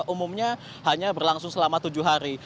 umumnya hanya berlangsung selama tujuh hari